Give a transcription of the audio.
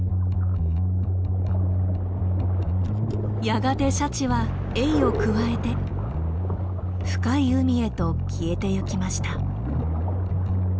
やがてシャチはエイをくわえて深い海へと消えていきました。